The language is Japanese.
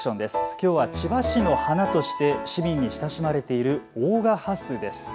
きょうは千葉市の花として市民に親しまれている大賀ハスです。